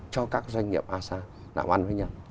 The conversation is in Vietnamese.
cho các doanh nghiệp asean làm ăn với nhau